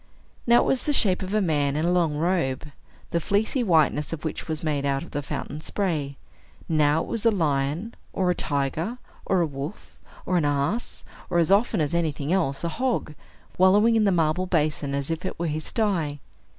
Now it was the shape of a man in a long robe, the fleecy whiteness of which was made out of the fountain's spray; now it was a lion, or a tiger, or a wolf, or an ass, or, as often as anything else, a hog, wallowing in the marble basin as if it were his sty.